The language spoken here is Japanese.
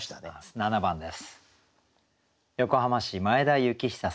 ７番です。